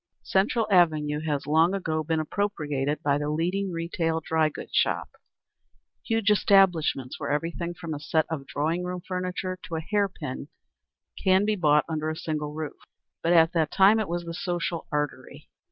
Central Avenue has long ago been appropriated by the leading retail dry goods shops, huge establishments where everything from a set of drawing room furniture to a hair pin can be bought under a single roof; but at that time it was the social artery.